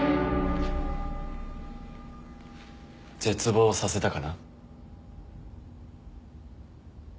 絶望させたかな。